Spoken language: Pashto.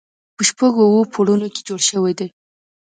په شپږو اوو پوړونو کې جوړ شوی دی.